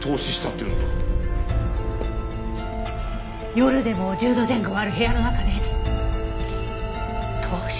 夜でも１０度前後ある部屋の中で凍死。